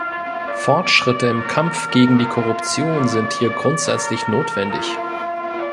Fortschritte im Kampf gegen die Korruption sind hier grundsätzlich notwendig.